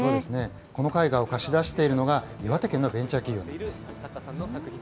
この絵画を貸し出しているのが岩手県のベンチャー企業です。